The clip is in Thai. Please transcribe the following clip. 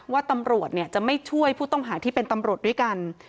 ว่าตำรวจจะไม่ช่วยผู้ต้องหาที่เป็นตำรวจด้วยกัน